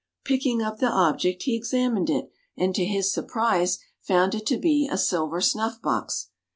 Picking up the object, he examined it, and to his surprise found it to be a silver snuff box.